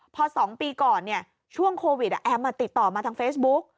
พอ๒ปีก่อนช่วงโควิดแอมติดต่อมาทางเฟซบุ๊ก